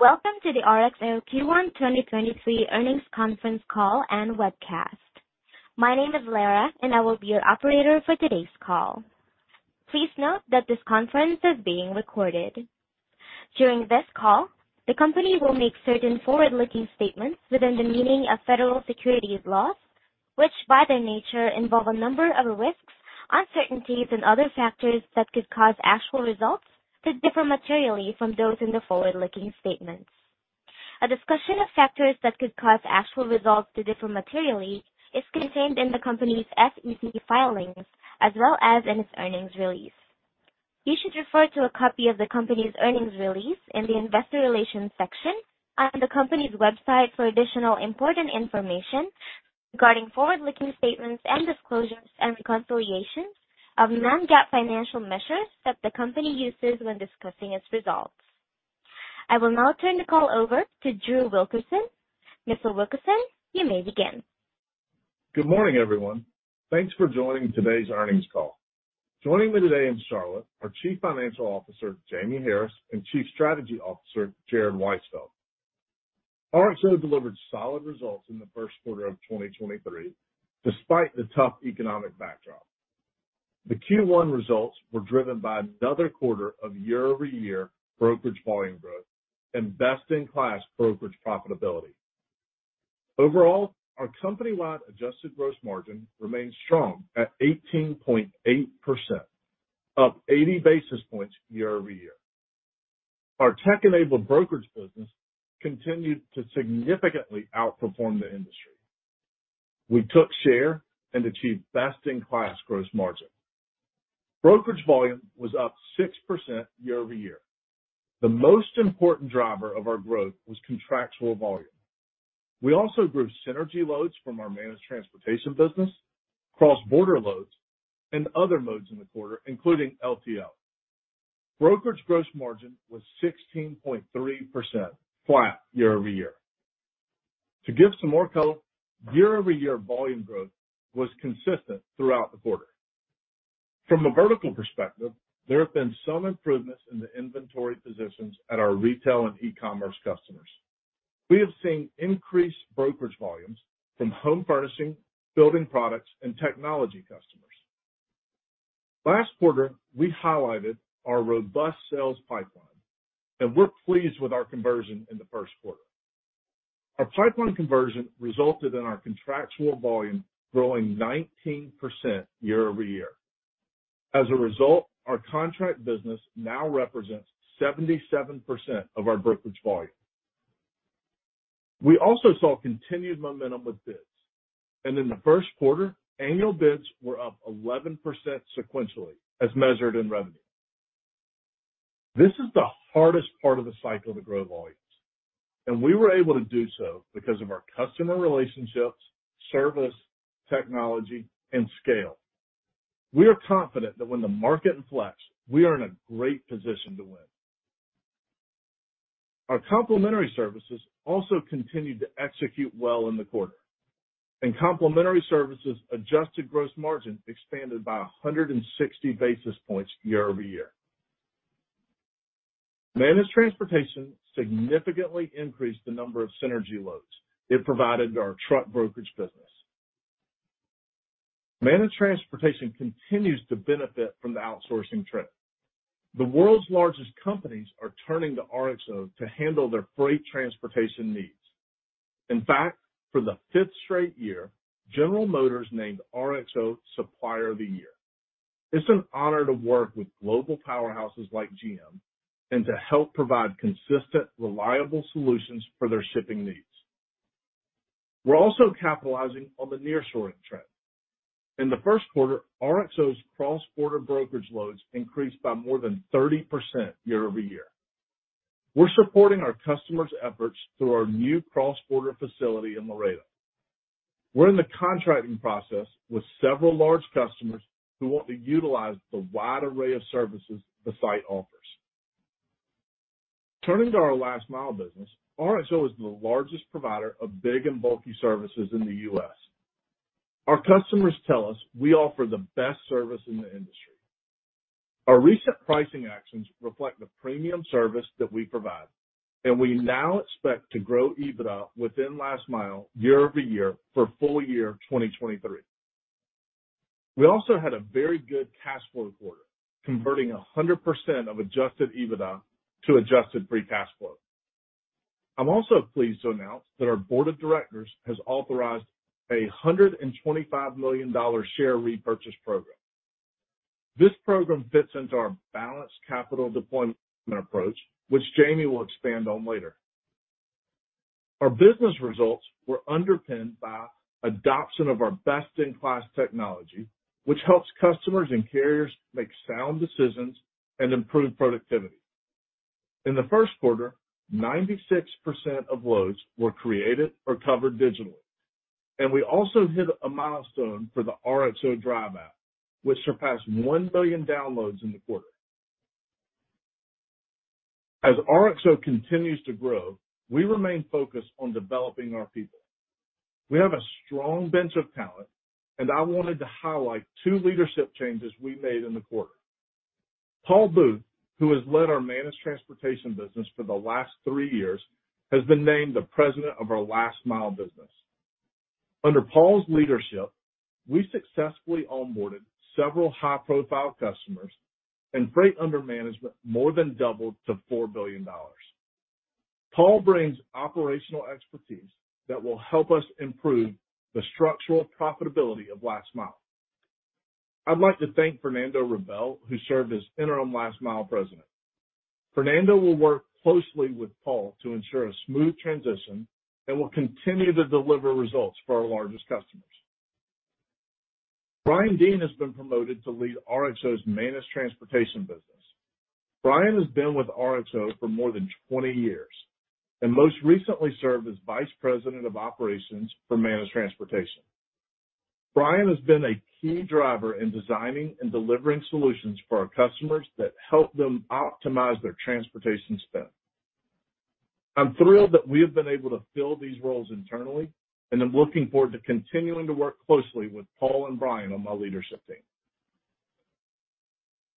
Welcome to the RXO Q1 2023 Earnings Conference Call and Webcast. My name is Lara, and I will be your operator for today's call. Please note that this conference is being recorded. During this call, the company will make certain forward-looking statements within the meaning of federal securities laws, which by their nature involve a number of risks, uncertainties and other factors that could cause actual results to differ materially from those in the forward-looking statements. A discussion of factors that could cause actual results to differ materially is contained in the company's SEC filings as well as in its earnings release. You should refer to a copy of the company's earnings release in the investor relations section on the company's website for additional important information regarding forward-looking statements and disclosures and reconciliations of non-GAAP financial measures that the company uses when discussing its results. I will now turn the call over to Drew Wilkerson. Mr. Wilkerson, you may begin. Good morning, everyone. Thanks for joining today's earnings call. Joining me today in Charlotte, our Chief Financial Officer, Jamie Harris, and Chief Strategy Officer, Jared Weitzel. RXO delivered solid results in the Q1 of 2023 despite the tough economic backdrop. The Q1 results were driven by another quarter of year-over-year brokerage volume growth and best-in-class brokerage profitability. Overall, our company-wide Adjusted Gross Margin remains strong at 18.8%, up 80 basis points year-over-year. Our tech-enabled brokerage business continued to significantly outperform the industry. We took share and achieved best-in-class gross margin. Brokerage volume was up 6% year-over-year. The most important driver of our growth was contractual volume. We also grew synergy loads from our managed transportation business, cross-border loads and other modes in the quarter, including LTL. Brokerage gross margin was 16.3%, flat year-over-year. To give some more color, year-over-year volume growth was consistent throughout the quarter. From a vertical perspective, there have been some improvements in the inventory positions at our retail and e-commerce customers. We have seen increased brokerage volumes from home furnishing, building products, and technology customers. Last quarter, we highlighted our robust sales pipeline, and we're pleased with our conversion in the Q1. Our pipeline conversion resulted in our contractual volume growing 19% year-over-year. As a result, our contract business now represents 77% of our brokerage volume. We also saw continued momentum with bids, and in the Q1, annual bids were up 11% sequentially, as measured in revenue. This is the hardest part of the cycle to grow volumes, and we were able to do so because of our customer relationships, service, technology, and scale. We are confident that when the market inflates, we are in a great position to win. Our complementary services also continued to execute well in the quarter, and complementary services adjusted gross margin expanded by 160 basis points year-over-year. Managed Transportation significantly increased the number of synergy loads it provided to our truck brokerage business. Managed Transportation continues to benefit from the outsourcing trend. The world's largest companies are turning to RXO to handle their freight transportation needs. In fact, for the fifth straight year, General Motors named RXO Supplier of the Year. It's an honor to work with global powerhouses like GM and to help provide consistent, reliable solutions for their shipping needs. We're also capitalizing on the nearshoring trend. In the Q1, RXO's cross-border brokerage loads increased by more than 30% year-over-year. We're supporting our customers' efforts through our new cross-border facility in Laredo. We're in the contracting process with several large customers who want to utilize the wide array of services the site offers. Turning to our last mile business, RXO is the largest provider of big and bulky services in the U.S. Our customers tell us we offer the best service in the industry. Our recent pricing actions reflect the premium service that we provide, and we now expect to grow EBITDA within last mile year-over-year for full year 2023. We also had a very good cash flow quarter, converting 100% of Adjusted EBITDA to Adjusted free cash flow. I'm also pleased to announce that our board of directors has authorized a $125 million share repurchase program. This program fits into our balanced capital deployment approach, which Jamie will expand on later. Our business results were underpinned by adoption of our best-in-class technology, which helps customers and carriers make sound decisions and improve productivity. In the Q1, 96% of loads were created or covered digitally. We also hit a milestone for the RXO Drive app, which surpassed one billion downloads in the quarter. As RXO continues to grow, we remain focused on developing our people. We have a strong bench of talent, and I wanted to highlight two leadership changes we made in the quarter. Paul Booth, who has led our managed transportation business for the last three years, has been named the President of our last mile business. Under Paul's leadership, we successfully onboarded several high-profile customers and freight under management more than doubled to $4 billion. Paul brings operational expertise that will help us improve the structural profitability of last mile. I'd like to thank Fernando Rabelo, who served as interim last mile president. Fernando will work closely with Paul to ensure a smooth transition and will continue to deliver results for our largest customers. Brian Dean has been promoted to lead RXO's managed transportation business. Brian has been with RXO for more than 20 years, and most recently served as vice president of operations for managed transportation. Brian has been a key driver in designing and delivering solutions for our customers that help them optimize their transportation spend. I'm thrilled that we have been able to fill these roles internally, and I'm looking forward to continuing to work closely with Paul and Brian on my leadership team.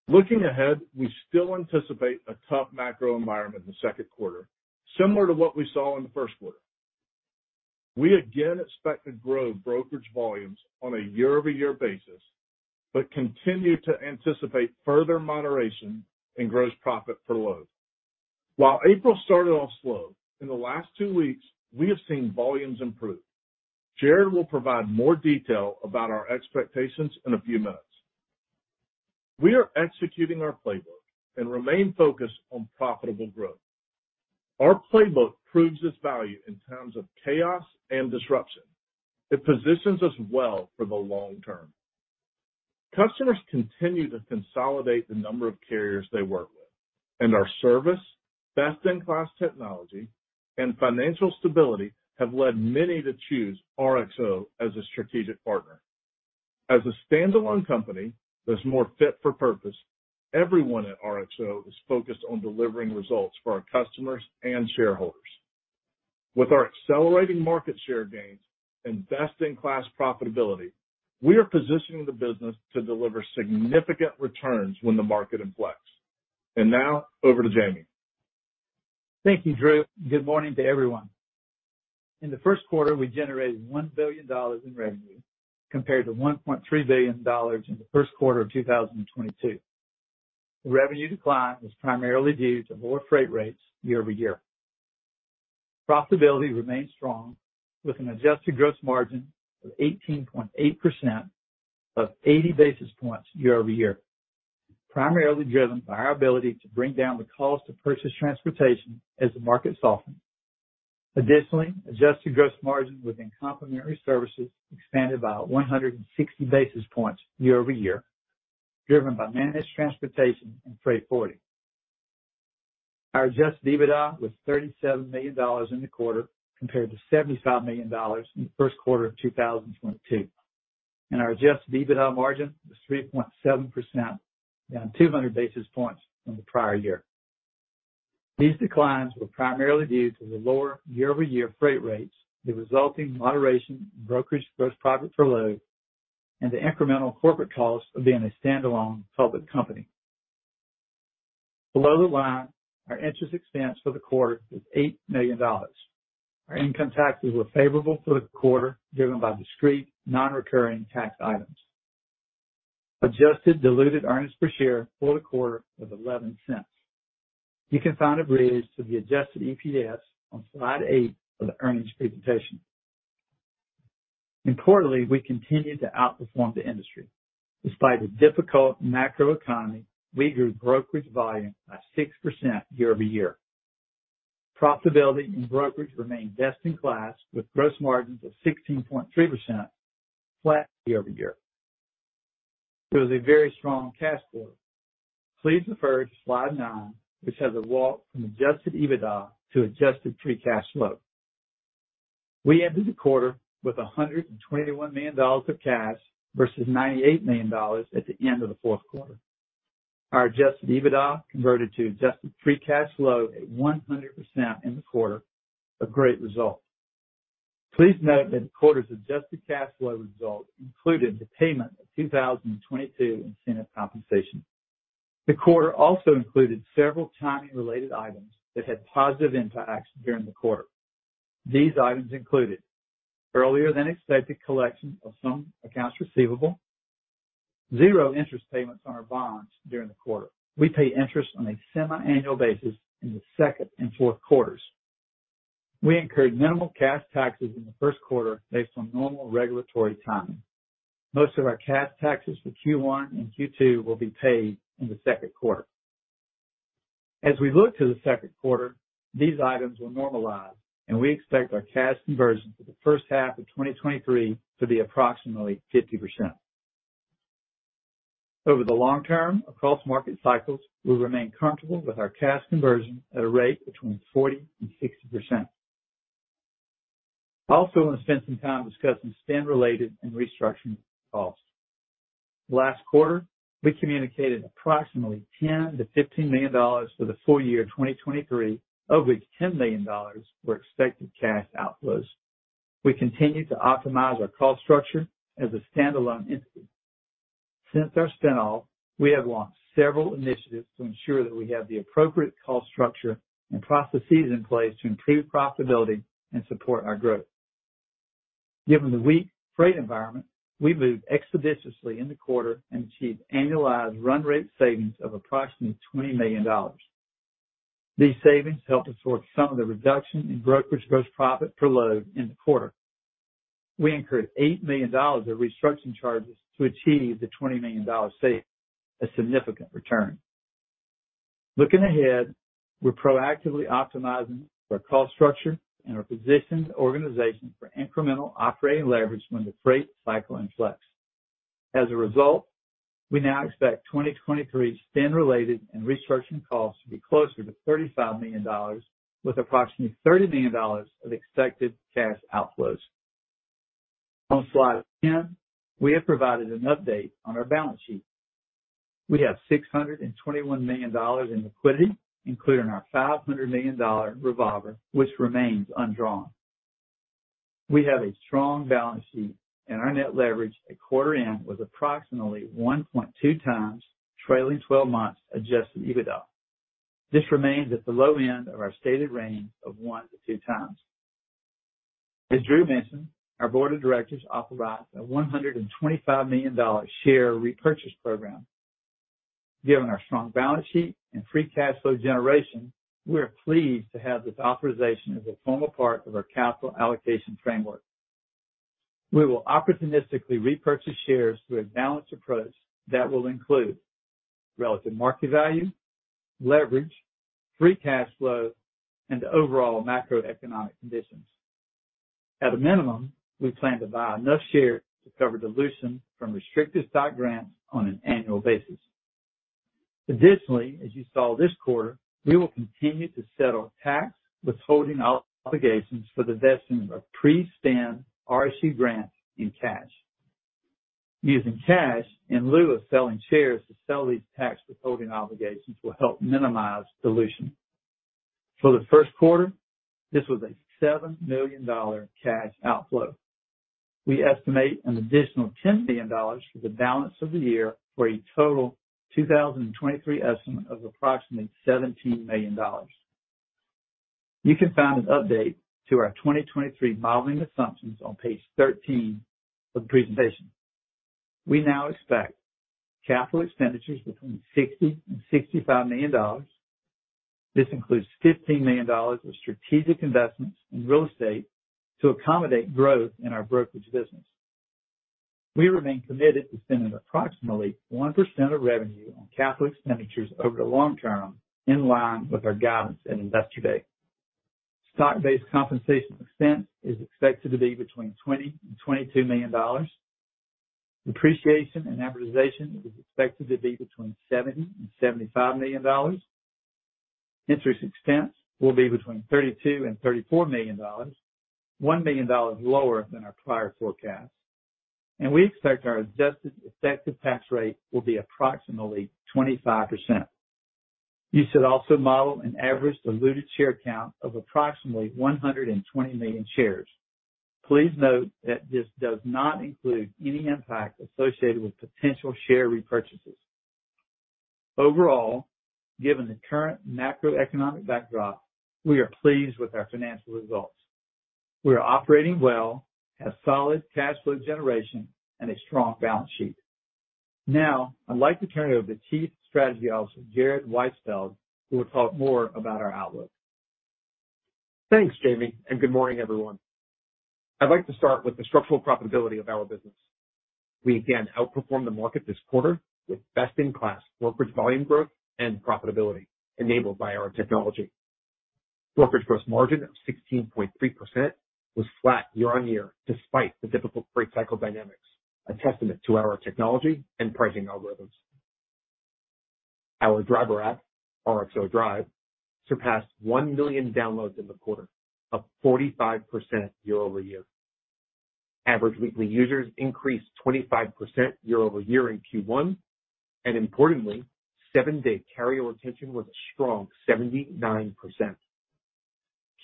Looking ahead, we still anticipate a tough macro environment in the Q2, similar to what we saw in the Q1. We again expect to grow brokerage volumes on a year-over-year basis, but continue to anticipate further moderation in gross profit per load. While April started off slow, in the last two weeks, we have seen volumes improve. Jared will provide more detail about our expectations in a few minutes. We are executing our playbook and remain focused on profitable growth. Our playbook proves its value in times of chaos and disruption. It positions us well for the long term. Customers continue to consolidate the number of carriers they work with, and our service, best-in-class technology, and financial stability have led many to choose RXO as a strategic partner. As a standalone company that's more fit for purpose, everyone at RXO is focused on delivering results for our customers and shareholders. With our accelerating market share gains and best-in-class profitability, we are positioning the business to deliver significant returns when the market inflects. Now over to Jamie. Thank you, Drew. Good morning to everyone. In the Q1, we generated $1 billion in revenue compared to $1.3 billion in the Q1 of 2022. The revenue decline was primarily due to lower freight rates year-over-year. Profitability remained strong with an adjusted gross margin of 18.8%, up 80 basis points year-over-year, primarily driven by our ability to bring down the cost to purchase transportation as the market softened. Additionally, adjusted gross margin within complementary services expanded by 160 basis points year-over-year, driven by managed transportation and freight forwarding. Our Adjusted EBITDA was $37 million in the quarter, compared to $75 million in the Q1 of 2022. Our Adjusted EBITDA margin was 3.7%, down 200 basis points from the prior year. These declines were primarily due to the lower year-over-year freight rates, the resulting moderation in brokerage gross profit per load, and the incremental corporate cost of being a standalone public company. Below the line, our interest expense for the quarter was $8 million. Our income taxes were favorable for the quarter, driven by discrete non-recurring tax items. Adjusted diluted earnings per share for the quarter was $0.11. You can find a bridge to the adjusted EPS on slide eight of the earnings presentation. Importantly, we continued to outperform the industry. Despite the difficult macroeconomy, we grew brokerage volume by 6% year-over-year. Profitability in brokerage remained best in class with gross margins of 16.3%, flat year-over-year. It was a very strong cash flow. Please refer to slide nine, which has a walk from Adjusted EBITDA to Adjusted free cash flow. We ended the quarter with $121 million of cash versus $98 million at the end of the Q4. Our Adjusted EBITDA converted to adjusted free cash flow at 100% in the quarter, a great result. Please note that the quarter's adjusted cash flow result included the payment of 2022 incentive compensation. The quarter also included several timing-related items that had positive impacts during the quarter. These items included earlier than expected collection of some accounts receivable, zero interest payments on our bonds during the quarter. We pay interest on a semi-annual basis in the second and Q4s. We incurred minimal cash taxes in the Q1 based on normal regulatory timing. Most of our cash taxes for Q1 and Q2 will be paid in the Q2. As we look to the Q2, these items will normalize, and we expect our cash conversion for the first half of 2023 to be approximately 50%. Over the long term, across market cycles, we'll remain comfortable with our cash conversion at a rate between 40% and 60%. I also want to spend some time discussing spend-related and restructuring costs. Last quarter, we communicated approximately $10 million-$15 million for the full year 2023, of which $10 million were expected cash outflows. We continue to optimize our cost structure as a standalone entity. Since our spin-off, we have launched several initiatives to ensure that we have the appropriate cost structure and processes in place to improve profitability and support our growth. Given the weak freight environment, we moved expeditiously in the quarter and achieved annualized run rate savings of approximately $20 million. These savings helped us absorb some of the reduction in brokerage gross profit per load in the quarter. We incurred $8 million of restructuring charges to achieve the $20 million savings, a significant return. Looking ahead, we're proactively optimizing our cost structure and are positioned the organization for incremental operating leverage when the freight cycle inflects. As a result, we now expect 2023 spin-related and restructuring costs to be closer to $35 million, with approximately $30 million of expected cash outflows. On Slide 10, we have provided an update on our balance sheet. We have $621 million in liquidity, including our $500 million revolver, which remains undrawn. We have a strong balance sheet and our net leverage at quarter end was approximately 1.2 times trailing twelve months adjusted EBITDA. This remains at the low end of our stated range of one-two times. As Drew mentioned, our board of directors authorized a $125 million share repurchase program. Given our strong balance sheet and free cash flow generation, we are pleased to have this authorization as a formal part of our capital allocation framework. We will opportunistically repurchase shares through a balanced approach that will include relative market value, leverage, free cash flow, and overall macroeconomic conditions. At a minimum, we plan to buy enough shares to cover dilution from restricted stock grants on an annual basis. Additionally, as you saw this quarter, we will continue to settle tax withholding obligations for the vesting of pre-spin RSU grants in cash. Using cash in lieu of selling shares to settle these tax withholding obligations will help minimize dilution. For the Q1, this was a $7 million cash outflow. We estimate an additional $10 million for the balance of the year for a total 2023 estimate of approximately $17 million. You can find an update to our 2023 modeling assumptions on page 13 of the presentation. We now expect capital expenditures between $60 million-$65 million. This includes $15 million of strategic investments in real estate to accommodate growth in our brokerage business. We remain committed to spending approximately 1% of revenue on capital expenditures over the long term, in line with our guidance at Investor Day. Stock-based compensation expense is expected to be between $20 million and $22 million. Depreciation and amortization is expected to be between $70 million and $75 million. Interest expense will be between $32 million and $34 million, $1 million lower than our prior forecast. We expect our adjusted effective tax rate will be approximately 25%. You should also model an average diluted share count of approximately 120 million shares. Please note that this does not include any impact associated with potential share repurchases. Overall, given the current macroeconomic backdrop, we are pleased with our financial results. We are operating well, have solid cash flow generation, and a strong balance sheet. Now I'd like to turn it over to Chief Strategy Officer, Jared Weitzel, who will talk more about our outlook. Thanks, Jamie. Good morning, everyone. I'd like to start with the structural profitability of our business. We again outperformed the market this quarter with best-in-class brokerage volume growth and profitability enabled by our technology. Brokerage gross margin of 16.3% was flat year-on-year despite the difficult freight cycle dynamics, a testament to our technology and pricing algorithms. Our driver app, RXO Drive, surpassed one million downloads in the quarter, up 45% year-over-year. Average weekly users increased 25% year-over-year in Q1, and importantly, seven-day carrier retention was a strong 79%.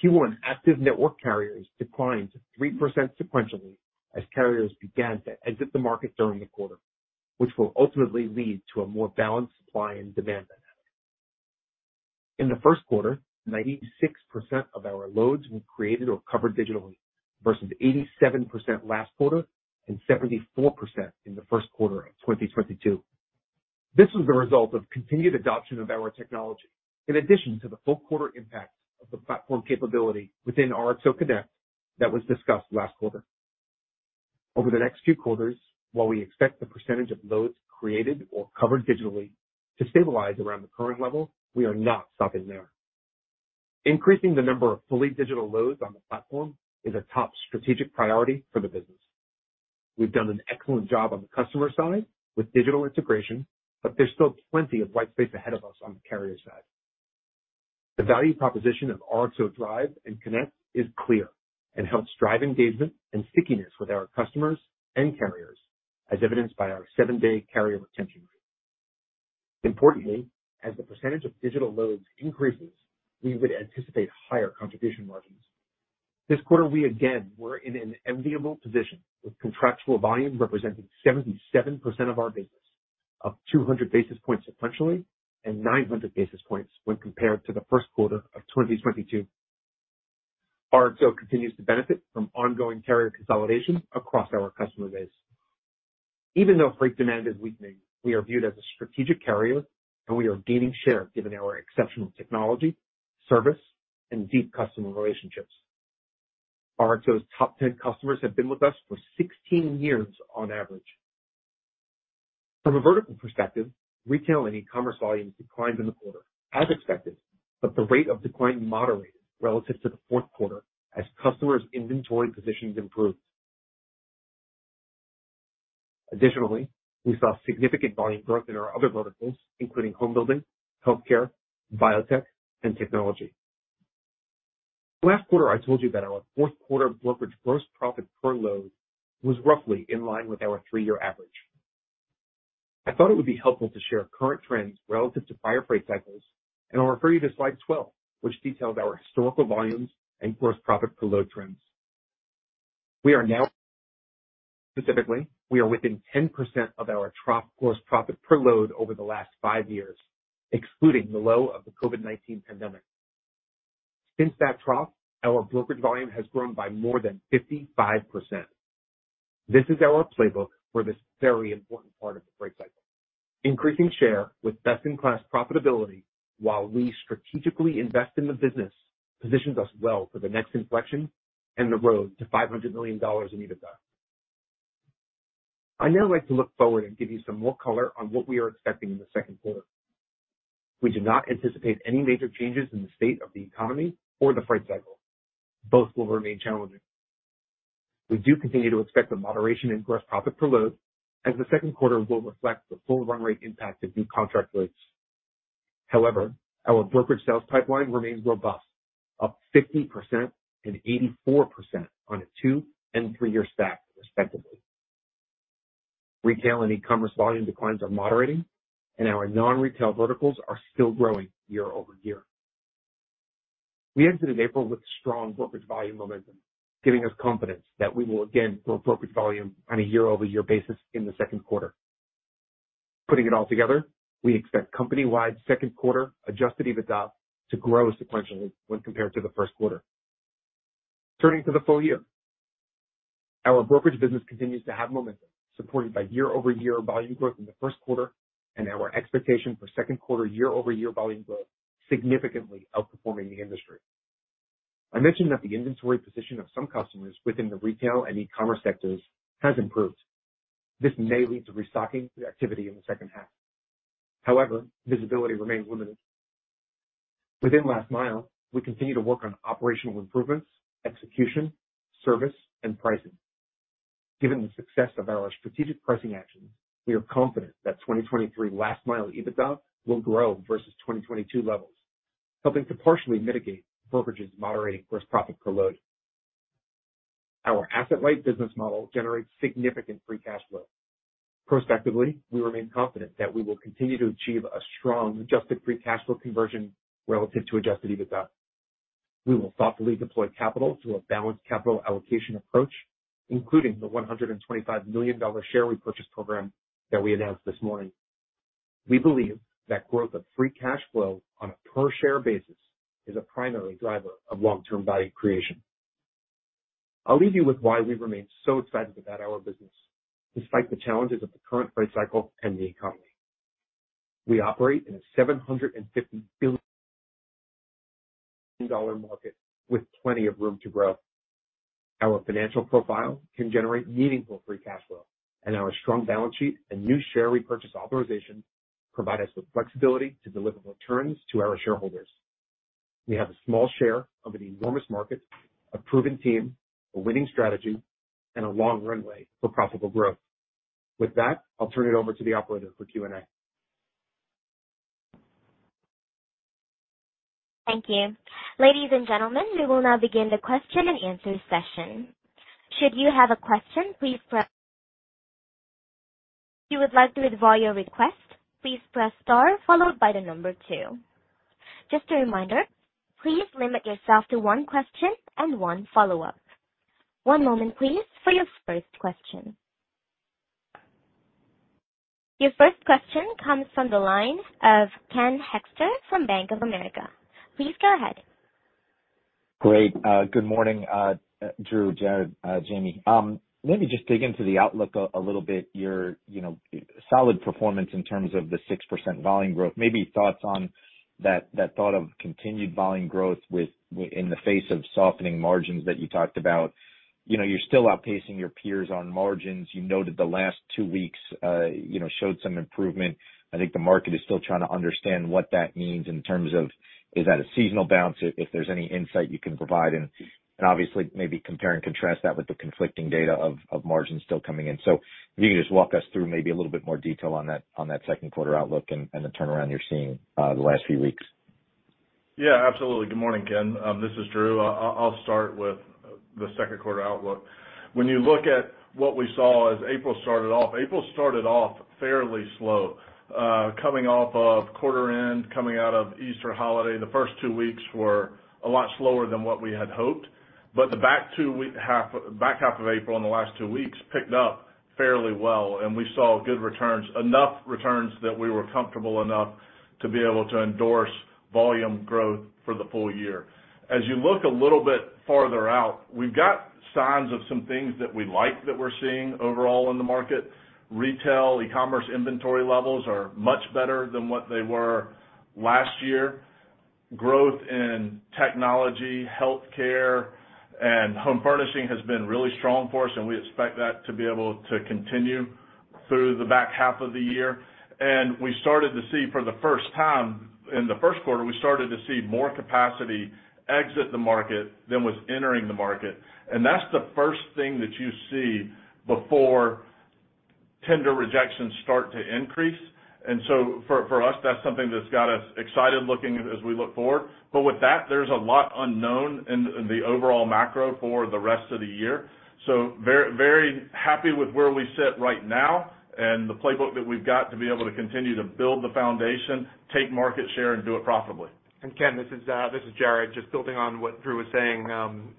Q1 active network carriers declined 3% sequentially as carriers began to exit the market during the quarter, which will ultimately lead to a more balanced supply and demand dynamic. In the Q1, 96% of our loads were created or covered digitally, versus 87% last quarter and 74% in the Q1 of 2022. This was the result of continued adoption of our technology, in addition to the full quarter impact of the platform capability within RXO Connect that was discussed last quarter. Over the next few quarters, while we expect the percentage of loads created or covered digitally to stabilize around the current level, we are not stopping there. Increasing the number of fully digital loads on the platform is a top strategic priority for the business. We've done an excellent job on the customer side with digital integration, but there's still plenty of white space ahead of us on the carrier side. The value proposition of RXO Drive and Connect is clear and helps drive engagement and stickiness with our customers and carriers, as evidenced by our seven-day carrier retention rate. Importantly, as the percentage of digital loads increases, we would anticipate higher contribution margins. This quarter, we again were in an enviable position, with contractual volume representing 77% of our business, up 200 basis points sequentially and 900 basis points when compared to the Q1 of 2022. RXO continues to benefit from ongoing carrier consolidation across our customer base. Even though freight demand is weakening, we are viewed as a strategic carrier, and we are gaining share given our exceptional technology, service, and deep customer relationships. RXO's top 10 customers have been with us for 16 years on average. From a vertical perspective, retail and e-commerce volumes declined in the quarter, as expected, but the rate of decline moderated relative to the Q4 as customers inventory positions improved. Additionally, we saw significant volume growth in our other verticals, including home building, healthcare, biotech, and technology. Last quarter, I told you that our Q4 brokerage gross profit per load was roughly in line with our three-year average. I thought it would be helpful to share current trends relative to prior freight cycles, and I'll refer you to slide 12, which details our historical volumes and gross profit per load trends. Specifically, we are within 10% of our trough gross profit per load over the last five years, excluding the low of the COVID-19 pandemic. Since that trough, our brokerage volume has grown by more than 55%. This is our playbook for this very important part of the freight cycle. Increasing share with best-in-class profitability while we strategically invest in the business positions us well for the next inflection and the road to $500 million in EBITDA. I'd now like to look forward and give you some more color on what we are expecting in the Q2. We do not anticipate any major changes in the state of the economy or the freight cycle. Both will remain challenging. We do continue to expect a moderation in gross profit per load, as the Q2 will reflect the full run rate impact of new contract rates. Our brokerage sales pipeline remains robust, up 50% and 84% on a two and three-year stack, respectively. Retail and e-commerce volume declines are moderating and our non-retail verticals are still growing year-over-year. We entered April with strong brokerage volume momentum, giving us confidence that we will again grow brokerage volume on a year-over-year basis in the Q2. Putting it all together, we expect company-wide Q2 adjusted EBITDA to grow sequentially when compared to the Q1. Turning to the full year. Our brokerage business continues to have momentum, supported by year-over-year volume growth in the Q1 and our expectation for Q2 year-over-year volume growth significantly outperforming the industry. I mentioned that the inventory position of some customers within the retail and e-commerce sectors has improved. This may lead to restocking activity in the second half. However, visibility remains limited. Within Last Mile, we continue to work on operational improvements, execution, service, and pricing. Given the success of our strategic pricing actions, we are confident that 2023 Last Mile EBITDA will grow versus 2022 levels, helping to partially mitigate brokerage's moderating gross profit per load. Our asset-light business model generates significant free cash flow. Prospectively, we remain confident that we will continue to achieve a strong adjusted free cash flow conversion relative to adjusted EBITDA. We will thoughtfully deploy capital through a balanced capital allocation approach, including the $125 million share repurchase program that we announced this morning. We believe that growth of free cash flow on a per share basis is a primary driver of long-term value creation. I'll leave you with why we remain so excited about our business despite the challenges of the current price cycle and the economy. We operate in a $750 billion market with plenty of room to grow. Our financial profile can generate meaningful free cash flow, and our strong balance sheet and new share repurchase authorization provide us with flexibility to deliver returns to our shareholders. We have a small share of an enormous market, a proven team, a winning strategy, and a long runway for profitable growth. With that, I'll turn it over to the operator for Q&A. Thank you. Ladies and gentlemen, we will now begin the question-and-answer session. Should you have a question, please press-- if you would like to withdraw your request, please press star followed by the two. Just a reminder, please limit yourself to one question and one follow-up. One moment please for your first question. Your first question comes from the lines of Ken Hoexter from Bank of America. Please go ahead. Great. Good morning, Drew, Jared, Jamie. Let me just dig into the outlook a little bit. Your, you know, solid performance in terms of the 6% volume growth. Maybe thoughts on that thought of continued volume growth in the face of softening margins that you talked about. You know, you're still outpacing your peers on margins. You noted the last two weeks showed some improvement. I think the market is still trying to understand what that means in terms of is that a seasonal bounce, if there's any insight you can provide. Obviously maybe compare and contrast that with the conflicting data of margins still coming in. if you can just walk us through maybe a little bit more detail on that, on that Q2 outlook and the turnaround you're seeing, the last few weeks. Yeah, absolutely. Good morning, Ken Hoexter. This is Drew Wilkerson. I'll start with the Q2 outlook. When you look at what we saw as April started off, April started off fairly slow. Coming off of quarter end, coming out of Easter holiday, the first two weeks were a lot slower than what we had hoped. But the back half of April and the last two weeks picked up fairly well, and we saw good returns, enough returns that we were comfortable enough to be able to endorse volume growth for the full year. As you look a little bit farther out, we've got signs of some things that we like that we're seeing overall in the market. Retail, e-commerce inventory levels are much better than what they were last year. Growth in technology, healthcare, and home furnishing has been really strong for us, and we expect that to be able to continue through the back half of the year. We started to see for the first time in the Q1, we started to see more capacity exit the market than was entering the market. That's the first thing that you see before tender rejections start to increase. For us, that's something that's got us excited looking as we look forward. With that, there's a lot unknown in the overall macro for the rest of the year. Very, very happy with where we sit right now and the playbook that we've got to be able to continue to build the foundation, take market share and do it profitably. Ken, this is Jared. Just building on what Drew was saying,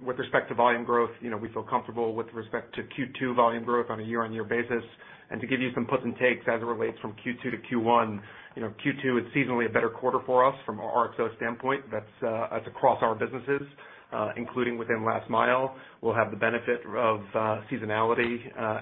with respect to volume growth, you know, we feel comfortable with respect to Q2 volume growth on a year-over-year basis. To give you some puts and takes as it relates from Q2 to Q1, you know, Q2 is seasonally a better quarter for us from our RXO standpoint. That's across our businesses, including within Last Mile. We'll have the benefit of seasonality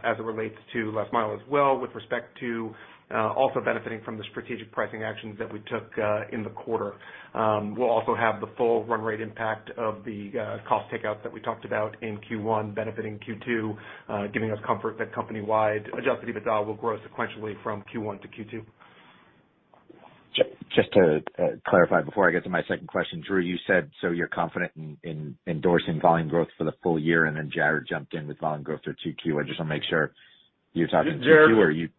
as it relates to Last Mile as well, with respect to also benefiting from the strategic pricing actions that we took in the quarter. We'll also have the full run rate impact of the cost takeout that we talked about in Q1, benefiting Q2, giving us comfort that company-wide adjusted EBITDA will grow sequentially from Q1 to Q2. Just to clarify before I get to my second question. Drew, you said, you're confident in endorsing volume growth for the full year, Jared jumped in with volume growth through Q2. I just want to make sure you're talking Q2 or you-? Jared.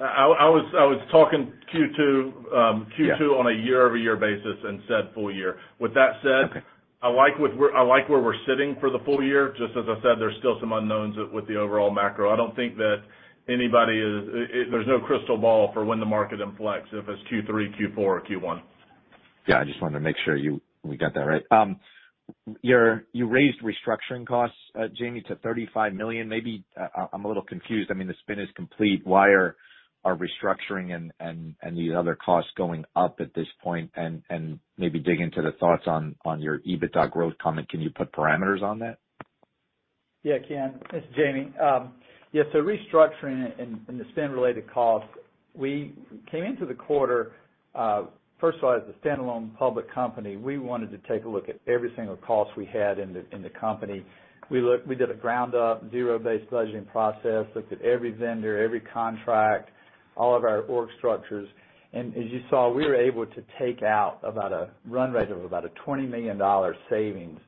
I was talking Q2 on a year-over-year basis and said full year. With that said. Okay. I like where we're sitting for the full year. Just as I said, there's still some unknowns with the overall macro. I don't think that anybody is. There's no crystal ball for when the market inflex, if it's Q3, Q4 or Q1. I just wanted to make sure you, we got that right. You raised restructuring costs, Jamie, to $35 million. Maybe I'm a little confused. I mean, the spin is complete. Why are restructuring and these other costs going up at this point? Maybe dig into the thoughts on your EBITDA growth comment. Can you put parameters on that? Ken, this is Jamie. So restructuring and the spin-related cost, we came into the quarter, first of all, as a standalone public company, we wanted to take a look at every single cost we had in the company. We did a ground up, zero-based budgeting process, looked at every vendor, every contract, all of our org structures. As you saw, we were able to take out about a run rate of about a $20 million savings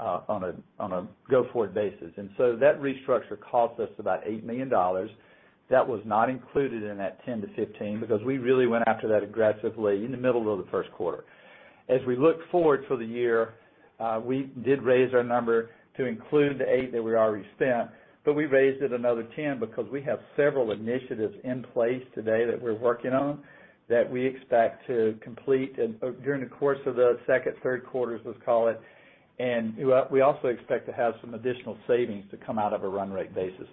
on a go-forward basis. That restructure cost us about $8 million. That was not included in that $10 million-$15 million because we really went after that aggressively in the middle of the Q1. As we look forward for the year, we did raise our number to include the $8 that we already spent, but we raised it another $10 because we have several initiatives in place today that we're working on that we expect to complete during the course of the second, third quarters, let's call it. We also expect to have some additional savings to come out of a run rate basis.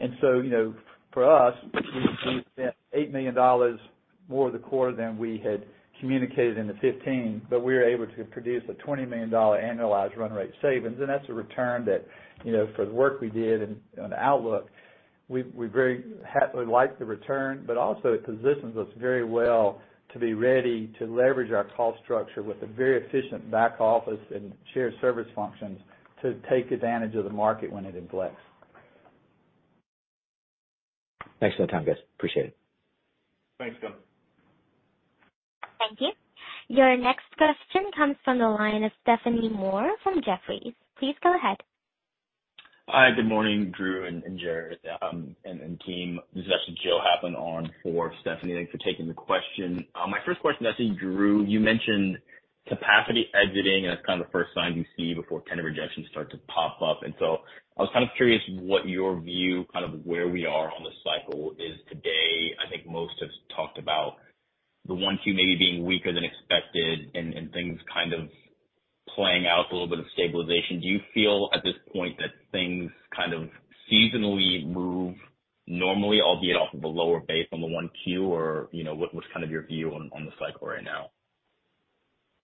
You know, for us, we spent $8 million more of the quarter than we had communicated in the $15, but we were able to produce a $20 million annualized run rate savings. That's a return that, you know, for the work we did and outlook, we like the return, but also it positions us very well to be ready to leverage our cost structure with a very efficient back office and shared service functions to take advantage of the market when it inflects. Thanks for the time, guys. Appreciate it. Thanks, Ken. Thank you. Your next question comes from the line of Stephanie Moore from Jefferies. Please go ahead. Hi, good morning, Drew and Jared and team. This is actually JJoe Havert on for Stephanie. Thanks for taking the question. My first question is actually Drew. You mentioned capacity exiting, that's kind of the first sign you see before tender rejections start to pop up. I was kind of curious what your view, kind of where we are on the cycle is today. I think most have talked about the 1Q maybe being weaker than expected and things kind of playing out with a little bit of stabilization. Do you feel at this point that things kind of seasonally move normally, albeit off of a lower base on the 1Q? You know, what's kind of your view on the cycle right now?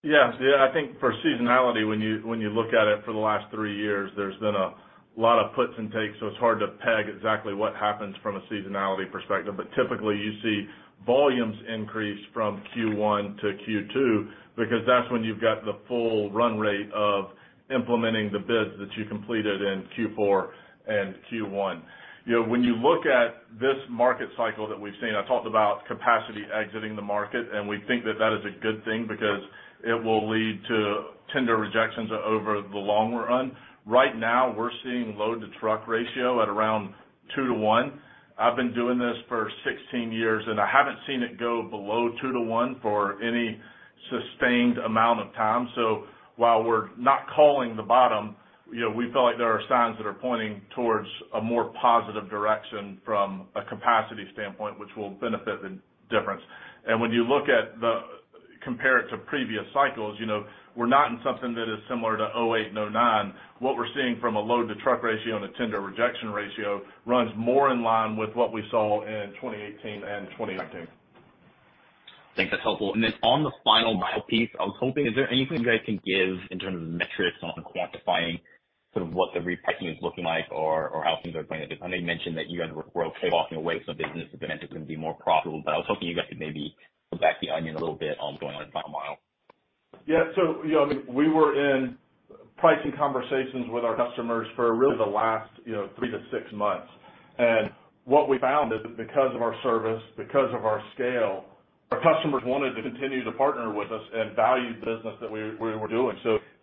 Yeah. I think for seasonality, when you look at it for the last three years, there's been a lot of puts and takes, so it's hard to peg exactly what happens from a seasonality perspective. Typically, you see volumes increase from Q1 to Q2 because that's when you've got the full run rate of implementing the bids that you completed in Q4 and Q1. You know, when you look at this market cycle that we've seen, I talked about capacity exiting the market, and we think that is a good thing because it will lead to tender rejections over the longer run. Right now, we're seeing load-to-truck ratio at around two to one. I've been doing this for 16 years, and I haven't seen it go below two to one for any sustained amount of time. While we're not calling the bottom, you know, we feel like there are signs that are pointing towards a more positive direction from a capacity standpoint, which will benefit the difference. When you look at compare it to previous cycles, you know, we're not in something that is similar to 2008 and 2009. What we're seeing from a load-to-truck ratio and a tender rejection ratio runs more in line with what we saw in 2018 and 2019. I think that's helpful. On the Last Mile piece, I was hoping, is there anything you guys can give in terms of metrics on quantifying sort of what the repricing is looking like or how things are going? I know you mentioned that you guys were okay walking away some business if it meant it was going to be more profitable, but I was hoping you guys could maybe peel back the onion a little bit on going on with Last Mile. You know, we were in pricing conversations with our customers for really the last, you know, three to six months. What we found is that because of our service, because of our scale, our customers wanted to continue to partner with us and value the business that we're doing.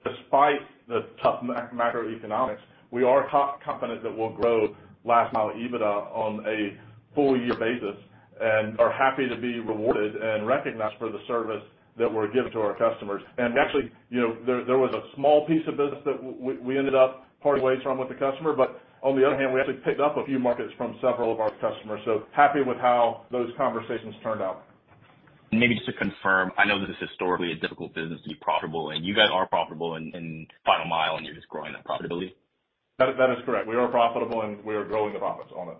Despite the tough macroeconomics, we are a co-company that will grow last mile EBITDA on a full year basis and are happy to be rewarded and recognized for the service that we're giving to our customers. Actually, you know, there was a small piece of business that we ended up parting ways from with the customer, but on the other hand, we actually picked up a few markets from several of our customers. Happy with how those conversations turned out. Maybe just to confirm, I know this is historically a difficult business to be profitable, and you guys are profitable in final mile, and you're just growing that profitability. That is correct. We are profitable, and we are growing the profits on it.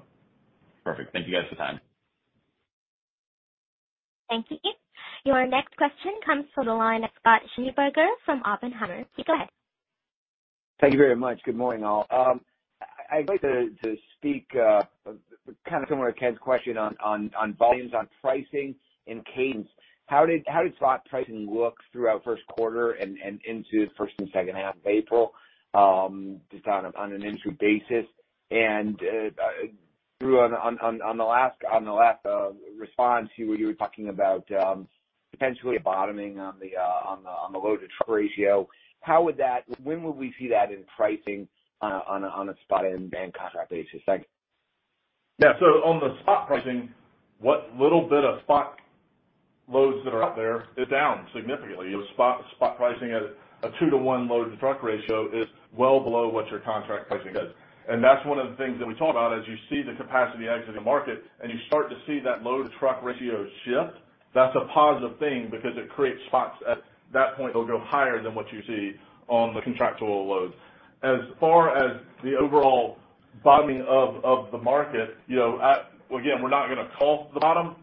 Perfect. Thank you guys for the time. Thank you. Your next question comes from the line of Scott Schneeberger from Oppenheimer. Please go ahead. Thank you very much. Good morning, all. I'd like to speak kind of similar to Ken's question on volumes, on pricing and cadence. How did spot pricing look throughout Q1 and into first and second half of April, just on an intro basis? Drew on the last response, you were talking about potentially bottoming on the load-to-truck ratio. When would we see that in pricing on a spot and contract basis? Thank you. Yeah. On the spot pricing, what little bit of spot loads that are out there is down significantly. Your spot pricing at a 2:1 load-to-truck ratio is well below what your contract pricing is. That's one of the things that we talk about as you see the capacity exit the market and you start to see that load-to-truck ratio shift, that's a positive thing because it creates spots at that point that'll go higher than what you see on the contractual loads. As far as the overall bottoming of the market, you know, again, we're not gonna call the bottom,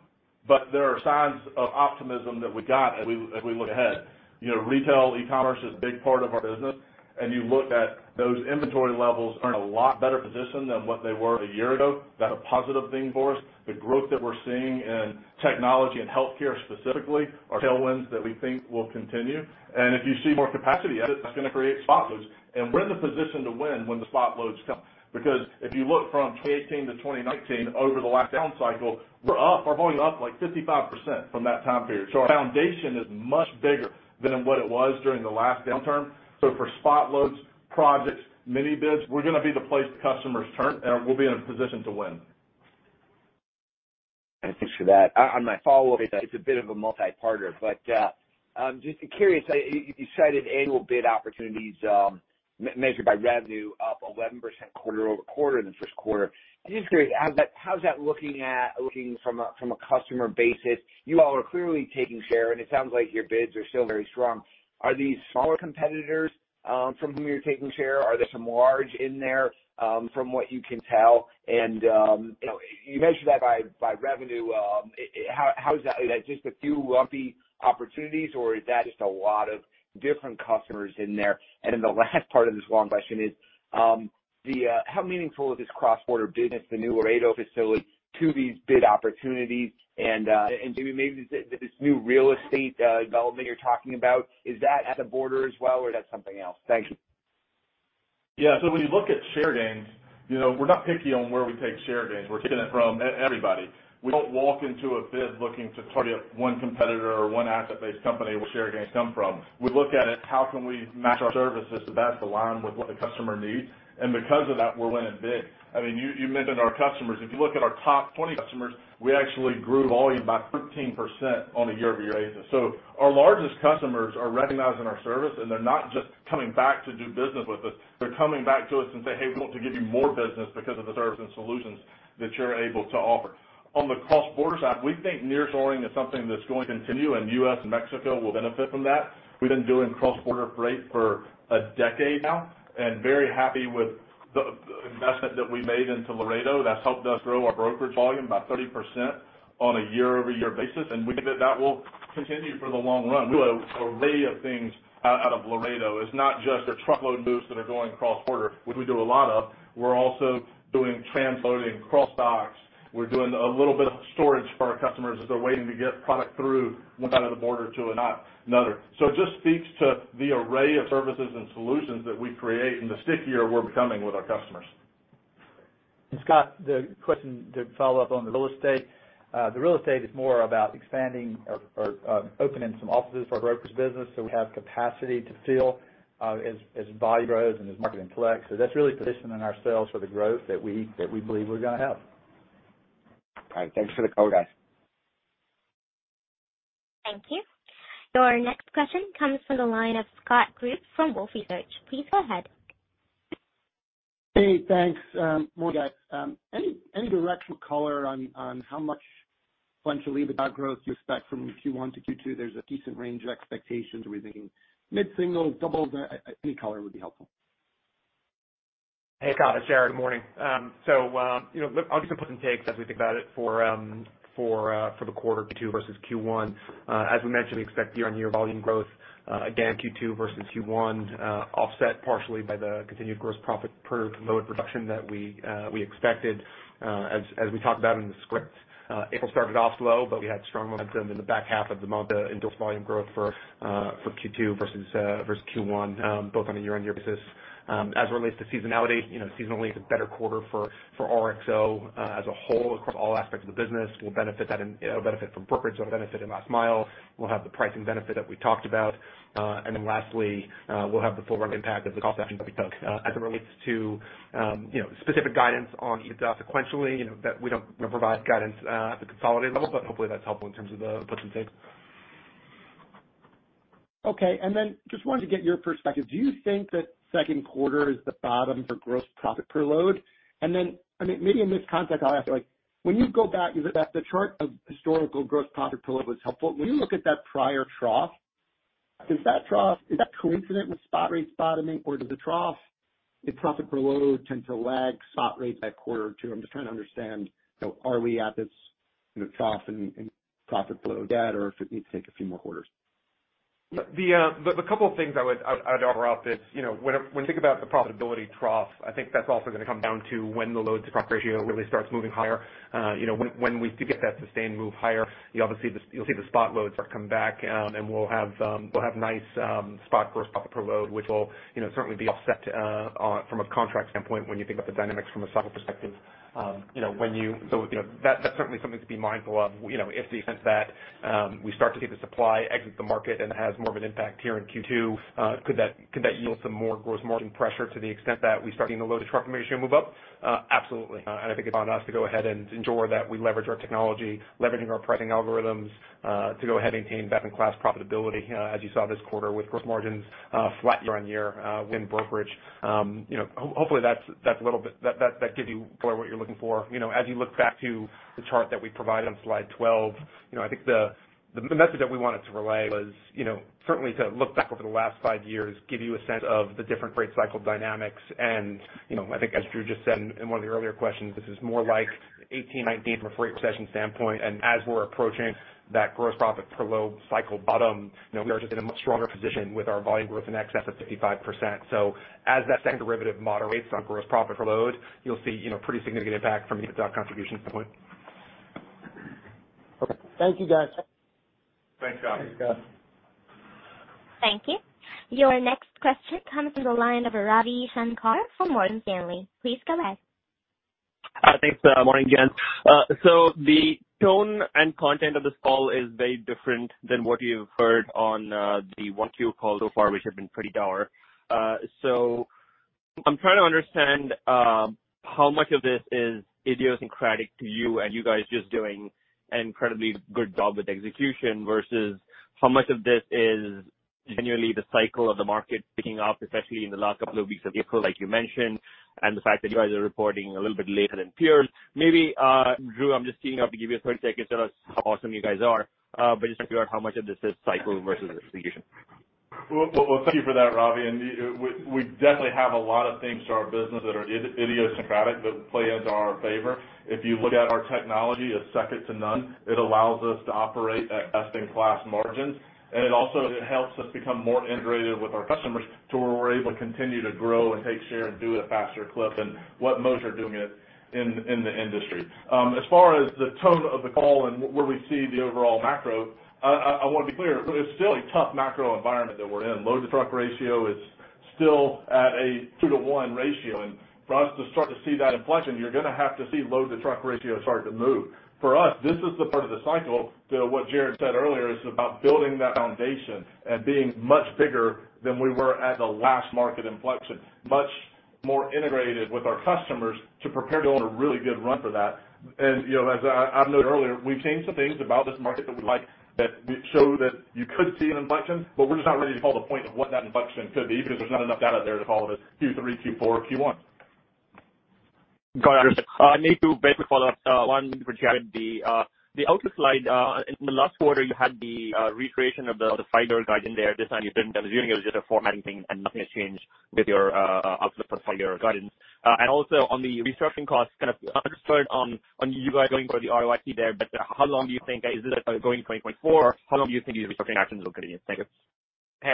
but there are signs of optimism that we got as we look ahead. You know, retail e-commerce is a big part of our business, and you look at those inventory levels are in a lot better position than what they were a year ago. That's a positive thing for us. The growth that we're seeing in technology and healthcare specifically are tailwinds that we think will continue. If you see more capacity exit, that's gonna create spot loads. We're in the position to win when the spot loads come. Because if you look from 2018 to 2019 over the last down cycle, we're up. Our volume's up, like, 55% from that time period. Our foundation is much bigger than what it was during the last downturn. For spot loads, projects, mini bids, we're gonna be the place the customers turn, and we'll be in a position to win. Thanks for that. On my follow-up, it's a, it's a bit of a multi-parter, but, just curious. You, you said annual bid opportunities, measured by revenue up 11% quarter-over-quarter in the Q1. Just curious, how's that, how's that looking at, looking from a, from a customer basis? You all are clearly taking share, and it sounds like your bids are still very strong. Are these smaller competitors, from whom you're taking share? Are there some large in there, from what you can tell? You know, you mentioned that by revenue. How, how is that? Is that just a few lumpy opportunities, or is that just a lot of different customers in there? The last part of this long question is, how meaningful is this cross-border business, the new Laredo facility to these bid opportunities and maybe this new real estate development you're talking about, is that at the border as well, or that's something else? Thank you. Yeah. When you look at share gains, you know, we're not picky on where we take share gains. We're taking it from everybody. We don't walk into a bid looking to target one competitor or one asset-based company where share gains come from. We look at it, how can we match our services to best align with what the customer needs? Because of that, we're winning big. I mean, you mentioned our customers. If you look at our top 20 customers, we actually grew volume by 13% on a year-over-year basis. Our largest customers are recognizing our service, and they're not just coming back to do business with us, they're coming back to us and say, "Hey, we want to give you more business because of the service and solutions that you're able to offer." On the cross-border side, we think nearshoring is something that's going to continue, and U.S. and Mexico will benefit from that. We've been doing cross-border freight for a decade now and very happy with the investment that we made into Laredo. That's helped us grow our brokerage volume by 30% on a year-over-year basis, and we think that that will continue for the long run. We have an array of things out of Laredo. It's not just the truckload moves that are going cross-border, which we do a lot of. We're also doing transloading, cross-docks. We're doing a little bit of storage for our customers as they're waiting to get product through one side of the border to another. It just speaks to the array of services and solutions that we create and the stickier we're becoming with our customers. Scott, the question to follow up on the real estate. The real estate is more about expanding or opening some offices for our brokers business, so we have capacity to fill as volume grows and as the market collects. That's really positioning ourselves for the growth that we believe we're gonna have. All right. Thanks for the color, guys. Thank you. Your next question comes from the line of Scott Group from Wolfe Research. Please go ahead. Hey, thanks, good morning, guys. Any directional color on how much sequential EBITDA growth you expect from Q1 to Q2? There's a decent range of expectations within mid-single, double. Any color would be helpful. Hey, Scott, it's Jared. Good morning. You know, look, I'll give some puts and takes as we think about it for the quarter Q2 versus Q1. As we mentioned, we expect year-on-year volume growth, again, Q2 versus Q1, offset partially by the continued gross profit per load reduction that we expected, as we talked about in the script. April started off slow, but we had strong momentum in the back half of the month and thus volume growth for Q2 versus Q1, both on a year-on-year basis. As it relates to seasonality, you know, seasonally it's a better quarter for RXO as a whole across all aspects of the business. We'll benefit that in, you know, benefit from brokerage, we'll benefit in last mile. We'll have the pricing benefit that we talked about. Then lastly, we'll have the full run impact of the cost actions that we took. As it relates to, you know, specific guidance on EBITDA sequentially, you know, that we don't, you know, provide guidance at the consolidated level, but hopefully that's helpful in terms of the puts and takes. Okay. Then just wanted to get your perspective, do you think that Q2 is the bottom for gross profit per load? Then, I mean, maybe in this context, I'll ask, like, when you go back, the chart of historical gross profit per load was helpful. When you look at that prior trough, does that trough, is that coincident with spot rates bottoming, or does the trough in profit per load tend to lag spot rates by a quarter or two? I'm just trying to understand, you know, are we at this, you know, trough in profit per load yet or if it needs to take a few more quarters. The couple of things I would offer off this, you know, when you think about the profitability trough, I think that's also going to come down to when the load-to-truck ratio really starts moving higher. You know, when we do get that sustained move higher, you obviously You'll see the spot loads start to come back, and we'll have nice spot gross profit per load, which will, you know, certainly be offset on, from a contract standpoint when you think about the dynamics from a cycle perspective. You know, that's certainly something to be mindful of. You know, if the sense that we start to see the supply exit the market and it has more of an impact here in Q2, could that yield some more gross margin pressure to the extent that we start seeing the load-to-truck ratio move up? Absolutely. I think it's on us to go ahead and ensure that we leverage our technology, leveraging our pricing algorithms, to go ahead and maintain best in class profitability, as you saw this quarter with gross margins, flat year-on-year, within brokerage. You know, hopefully that's that gives you more what you're looking for. You know, as you look back to the chart that we provided on slide 12, you know, I think the message that we wanted to relay was, you know, certainly to look back over the last five years, give you a sense of the different rate cycle dynamics. You know, I think as Drew just said in one of the earlier questions, this is more like 2018, 2019 from a freight recession standpoint. As we're approaching that gross profit per load cycle bottom, you know, we are just in a much stronger position with our volume growth in excess of 55%. As that second derivative moderates on gross profit per load, you'll see, you know, pretty significant impact from an EBITDA contribution standpoint. Okay. Thank you, guys. Thanks, Scott. Thank you. Your next question comes from the line of Ravi Shanker from Morgan Stanley. Please go ahead. Thanks. Morning, gents. The tone and content of this call is very different than what you've heard on the 1Q call so far, which had been pretty dour. I'm trying to understand how much of this is idiosyncratic to you and you guys just doing an incredibly good job with execution versus how much of this is genuinely the cycle of the market picking up, especially in the last couple of weeks of April, like you mentioned, and the fact that you guys are reporting a little bit later than peers. Maybe Drew, I'm just teeing up to give you a thirty-second sell us how awesome you guys are, but just figure out how much of this is cycle versus execution? Well, well, well, thank you for that, Ravi. We definitely have a lot of things to our business that are idiosyncratic that play into our favor. If you look at our technology, it's second to none. It allows us to operate at best in class margins, and it also helps us become more integrated with our customers to where we're able to continue to grow and take share and do it at a faster clip than what most are doing it in the industry. As far as the tone of the call and where we see the overall macro, I want to be clear, it's still a tough macro environment that we're in. load-to-truck ratio is still at a two to one ratio, for us to start to see that inflection, you're gonna have to see load-to-truck ratio start to move. For us, this is the part of the cycle, to what Jared said earlier, is about building that foundation and being much bigger than we were at the last market inflection, much more integrated with our customers to prepare to go on a really good run for that. You know, as I noted earlier, we've changed some things about this market that we like that we show that you could see an inflection, but we're just not ready to call the point of what that inflection could be because there's not enough data there to call it a Q3, Q4, Q1. Got it. Understood. I need to basically follow up, one for Jared. The outlook slide, in the last quarter, you had the recreation of the five hundred guide in there. This time you didn't. I'm assuming it was just a formatting thing and nothing has changed with your outlook for five hundred guidance. On the restructuring costs, kind of understood on you guys going for the ROIC there, but how long do you think, is this going 20.4? How long do you think these restructuring actions will continue? Thank you. Hey,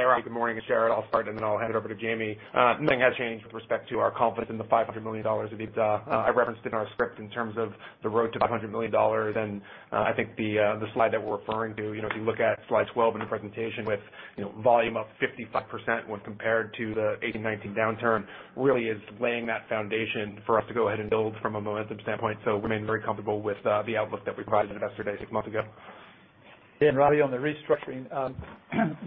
Ravi, good morning. It's Jared. I'll start, then I'll hand it over to Jamie. Nothing has changed with respect to our confidence in the $500 million of EBITDA. I referenced it in our script in terms of the road to $500 million. I think the slide that we're referring to, you know, if you look at slide 12 in the presentation with, you know, volume up 55% when compared to the 2018, 2019 downturn, really is laying that foundation for us to go ahead and build from a momentum standpoint. Remaining very comfortable with the outlook that we provided investors a month ago. Robbie, on the restructuring,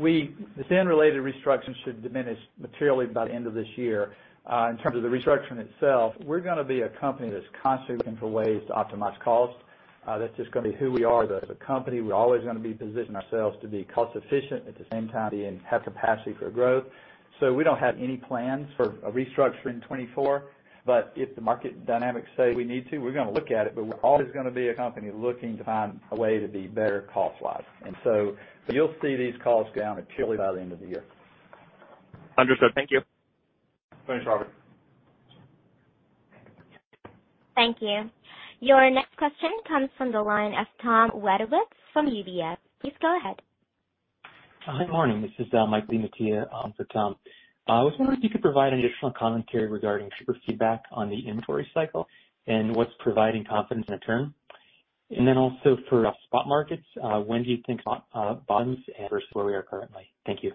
the SAND-related restructuring should diminish materially by the end of this year. In terms of the restructuring itself, we're gonna be a company that's constantly looking for ways to optimize costs. That's just gonna be who we are as a company. We're always gonna be positioning ourselves to be cost efficient, at the same time have capacity for growth. We don't have any plans for a restructuring 2024, but if the market dynamics say we need to, we're gonna look at it. We're always gonna be a company looking to find a way to be better cost-wise. You'll see these costs down materially by the end of the year. Understood. Thank you. Thanks, Robert. Thank you. Your next question comes from the line of TTom Wadewitz from UBS. Please go ahead. Hi. Good morning. This is Mike DiMattia, for Tom. I was wondering if you could provide any additional commentary regarding super feedback on the inventory cycle and what's providing confidence in the turn. Also for spot markets, when do you think bottoms and where we are currently? Thank you.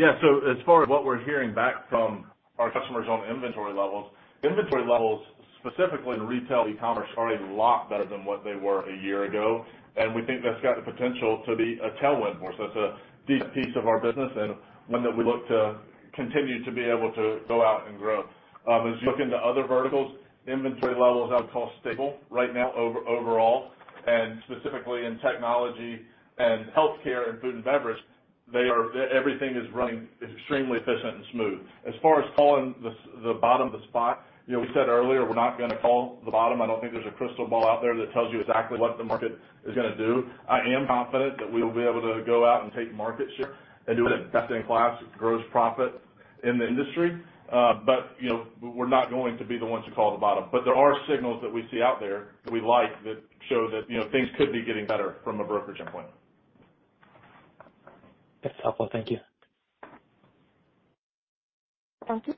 As far as what we're hearing back from our customers on inventory levels, specifically in retail e-commerce, are a lot better than what they were a year ago, and we think that's got the potential to be a tailwind for us. That's a deep piece of our business and one that we look to continue to be able to go out and grow. As you look into other verticals, inventory levels I would call stable right now overall, and specifically in technology and healthcare and food and beverage, they are everything is running extremely efficient and smooth. As far as calling the bottom of the spot, you know, we said earlier, we're not gonna call the bottom. I don't think there's a crystal ball out there that tells you exactly what the market is gonna do. I am confident that we will be able to go out and take market share and do it at best in class gross profit in the industry. You know, we're not going to be the ones who call the bottom. There are signals that we see out there that we like that show that, you know, things could be getting better from a brokerage standpoint. That's helpful. Thank you. Thank you.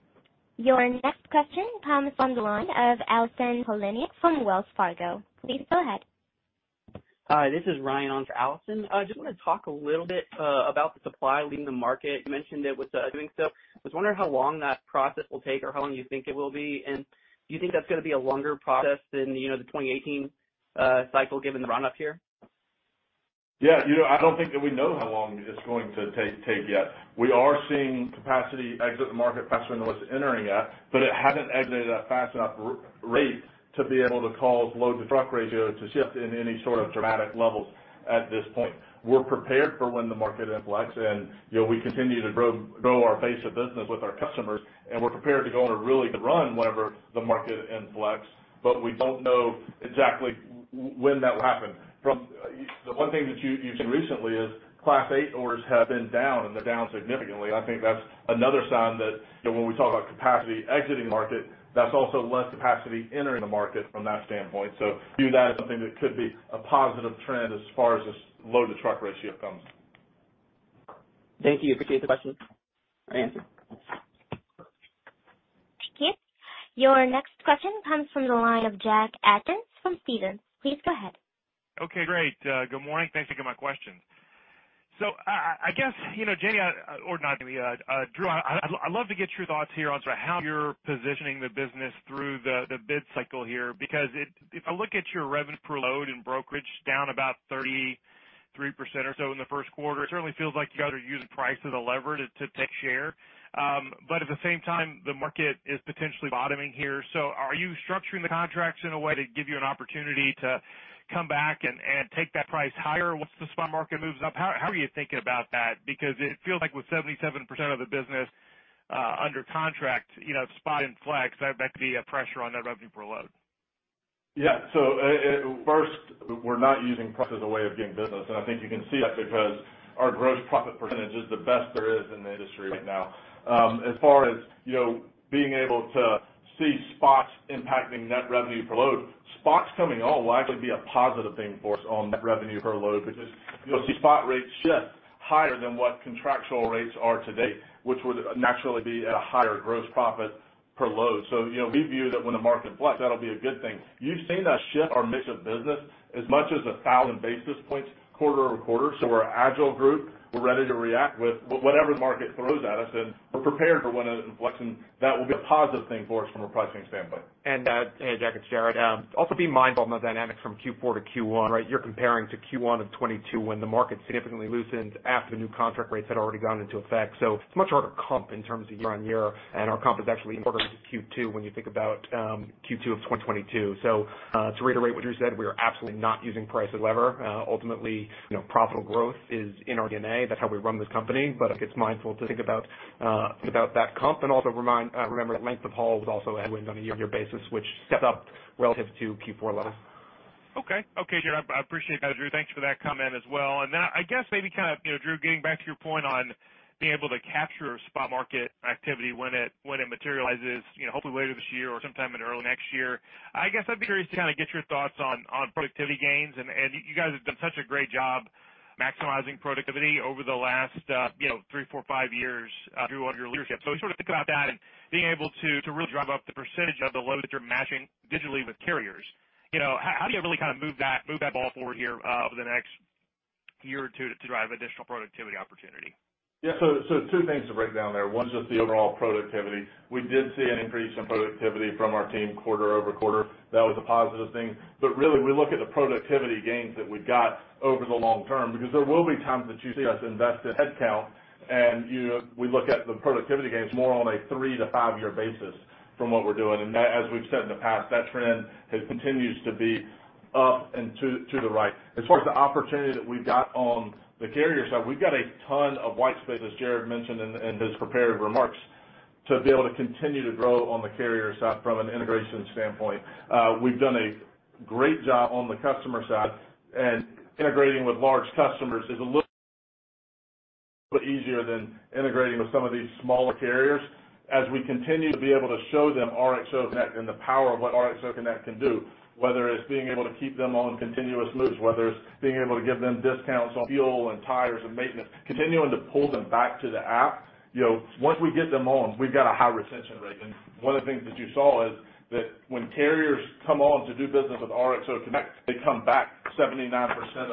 Your next question comes from the line of Allison Poliniak-Cusic from Wells Fargo. Please go ahead. Hi, this is Ryan on for Allison. I just wanna talk a little bit about the supply leaving the market. You mentioned it with doing so. I was wondering how long that process will take or how long you think it will be, and do you think that's gonna be a longer process than, you know, the 2018 cycle, given the run up here? Yeah. You know, I don't think that we know how long it's going to take yet. We are seeing capacity exit the market faster than it was entering it, but it hasn't exited at a fast enough rate to be able to cause load-to-truck ratio to shift in any sort of dramatic levels at this point. We're prepared for when the market inflects. You know, we continue to grow our base of business with our customers, and we're prepared to go on a really good run whenever the market inflects, but we don't know exactly when that will happen. The one thing that you've seen recently is Class eight orders have been down, and they're down significantly. I think that's another sign that, you know, when we talk about capacity exiting the market, that's also less capacity entering the market from that standpoint. View that as something that could be a positive trend as far as this load-to-truck ratio comes. Thank you. Appreciate the question and answer. Thank you. Your next question comes from the line of Jack Atkins from Stephens. Please go ahead. Okay, great. Good morning. Thanks for taking my questions. I guess, you know, J.D., or not J.D., Drew, I'd love to get your thoughts here on sort of how you're positioning the business through the bid cycle here. Because if I look at your revenue per load and brokerage down about 33% or so in the Q1, it certainly feels like you guys are using price as a lever to take share. At the same time, the market is potentially bottoming here. Are you structuring the contracts in a way to give you an opportunity to come back and take that price higher once the spot market moves up? How are you thinking about that? It feels like with 77% of the business, under contract, you know, if the spot inflects, that could be a pressure on net revenue per load. At first, we're not using price as a way of getting business, and I think you can see that because our gross profit percentage is the best there is in the industry right now. As far as, you know, being able to see spots impacting net revenue per load, spots coming on will actually be a positive thing for us on net revenue per load because you'll see spot rates shift higher than what contractual rates are today, which would naturally be at a higher gross profit per load. You know, we view that when the market flex, that'll be a good thing. You've seen us shift our mix of business as much as 1,000 basis points quarter-over-quarter, so we're an agile group. We're ready to react with whatever the market throws at us, and we're prepared for when it inflects, and that will be a positive thing for us from a pricing standpoint. Hey, Jack, it's Jared. Also be mindful of the dynamics from Q4 to Q1, right? You're comparing to Q1 of 2022 when the market significantly loosened after the new contract rates had already gone into effect. It's a much harder comp in terms of year-over-year, and our comp is actually in order to Q2 when you think about Q2 of 2022. To reiterate what you said, we are absolutely not using price as lever. Ultimately, you know, profitable growth is in our DNA. That's how we run this company. I think it's mindful to think about that comp and also remember that length of haul was also a headwind on a year-over-year basis, which steps up relative to Q4 levels. Okay, Jared. I appreciate that, Drew. Thanks for that comment as well. I guess maybe kind of, you know, Drew, getting back to your point on being able to capture spot market activity when it materializes, you know, hopefully later this year or sometime in early next year. I guess I'd be curious to kind of get your thoughts on productivity gains. You guys have done such a great job maximizing productivity over the last, you know, three, four, five years, Drew, under your leadership. Sort of think about that and being able to really drive up the percentage of the load that you're matching digitally with carriers. You know, how do you really kind of move that ball forward here over the next Year or two to drive additional productivity opportunity. Two things to break down there. One's just the overall productivity. We did see an increase in productivity from our team quarter-over-quarter. That was a positive thing. Really, we look at the productivity gains that we got over the long term because there will be times that you see us invest in headcount, and you know, we look at the productivity gains more on a three to five-year basis from what we're doing. That, as we've said in the past, that trend has continues to be up and to the right. As far as the opportunity that we've got on the carrier side, we've got a ton of white space, as Jared mentioned in his prepared remarks, to be able to continue to grow on the carrier side from an integration standpoint. We've done a great job on the customer side, and integrating with large customers is a little bit easier than integrating with some of these smaller carriers. As we continue to be able to show them RXO Connect and the power of what RXO Connect can do, whether it's being able to keep them on continuous moves, whether it's being able to give them discounts on fuel and tires and maintenance, continuing to pull them back to the app, you know, once we get them on, we've got a high retention rate. One of the things that you saw is that when carriers come on to do business with RXO Connect, they come back 79%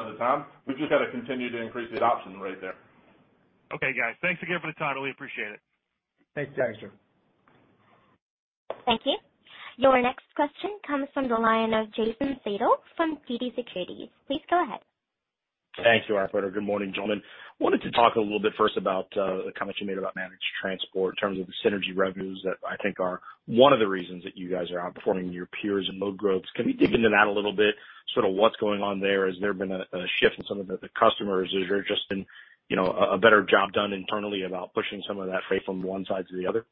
of the time. We've just got to continue to increase the adoption rate there. Okay, guys. Thanks again for the time. Really appreciate it. Thanks, Jackson. Thank you. Your next question comes from the line of Jason Seidl from TD Securities. Please go ahead. Thank you, operator. Good morning, gentlemen. Wanted to talk a little bit first about the comments you made about managed transport in terms of the synergy revenues that I think are one of the reasons that you guys are outperforming your peers in load growth. Can we dig into that a little bit? Sort of what's going on there. Has there been a shift in some of the customers? Is there just been, you know, a better job done internally about pushing some of that freight from one side to the other?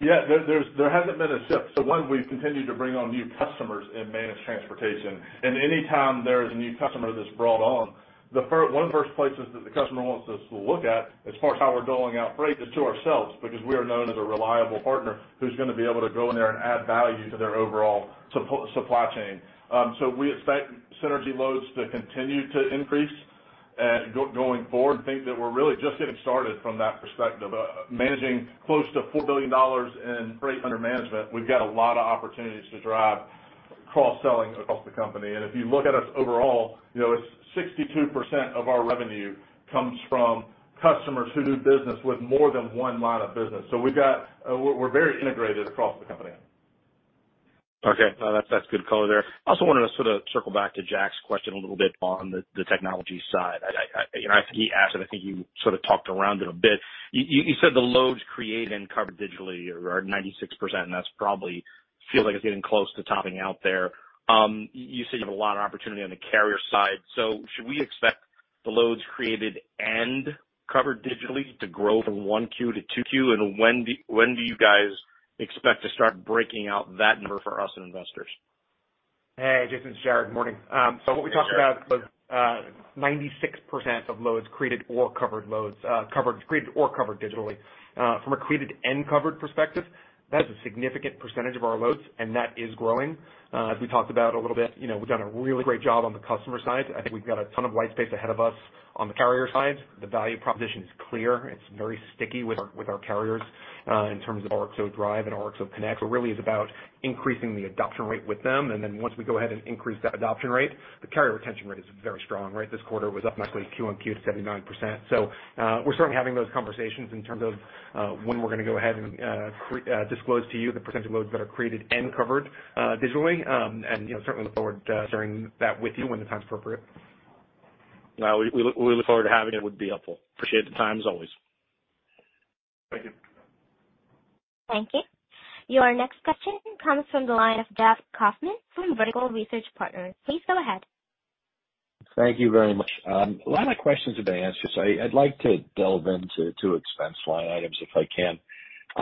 There hasn't been a shift. One, we've continued to bring on new customers in managed transportation, and anytime there is a new customer that's brought on, one of the first places that the customer wants us to look at as far as how we're doling out freight is to ourselves because we are known as a reliable partner who's gonna be able to go in there and add value to their overall supply chain. We expect synergy loads to continue to increase, going forward, and think that we're really just getting started from that perspective. Managing close to $4 billion in freight under management, we've got a lot of opportunities to drive cross-selling across the company. If you look at us overall, you know, it's 62% of our revenue comes from customers who do business with more than one line of business. We're very integrated across the company. Okay. No, that's good color there. I also wanted to sort of circle back to Jack's question a little bit on the technology side. I, you know, he asked it, I think you sort of talked around it a bit. You said the loads created and covered digitally are 96%, and that's probably feels like it's getting close to topping out there. You say you have a lot of opportunity on the carrier side. Should we expect the loads created and covered digitally to grow from 1Q to 2Q, and when do you guys expect to start breaking out that number for us investors? Hey, Jason, it's Jared. Morning. What we talked about, 96% of loads created or covered loads, covered, created or covered digitally. From a created and covered perspective, that is a significant percentage of our loads, and that is growing. As we talked about a little bit, you know, we've done a really great job on the customer side. I think we've got a ton of white space ahead of us on the carrier side. The value proposition is clear. It's very sticky with our carriers, in terms of RXO Drive and RXO Connect. It really is about increasing the adoption rate with them, and then once we go ahead and increase that adoption rate, the carrier retention rate is very strong. Right? This quarter was up monthly Q-on-Q to 79%. We're certainly having those conversations in terms of when we're gonna go ahead and disclose to you the percentage of loads that are created and covered digitally. You know, certainly look forward to sharing that with you when the time's appropriate. No, we look forward to having it. It would be helpful. Appreciate the time as always. Thank you. Thank you. Your next question comes from the line of Jeff Kauffman from Vertical Research Partners. Please go ahead. Thank you very much. A lot of my questions have been answered. I'd like to delve into two expense line items, if I can.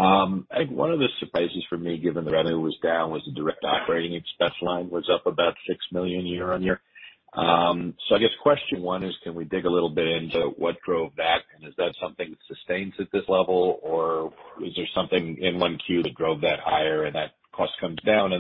I think one of the surprises for me, given the revenue was down, was the direct operating expense line was up about $6 million year-on-year.I guess question one is, can we dig a little bit into what drove that? Is that something that sustains at this level, or is there something in 1Q that drove that higher and that cost comes down?